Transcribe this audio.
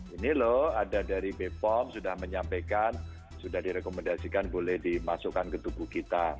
ini loh ada dari bepom sudah menyampaikan sudah direkomendasikan boleh dimasukkan ke tubuh kita